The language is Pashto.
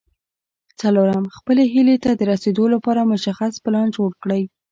څلورم خپلې هيلې ته د رسېدو لپاره مشخص پلان جوړ کړئ.